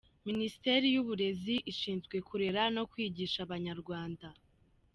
Minisiteri y’uburezi ishinzwe kurera no kwigisha abanyarwanda.